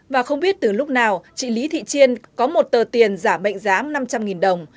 và không biết từ lúc nào chị lý thị chiên có một tờ tiền giả mệnh giám năm trăm linh đồng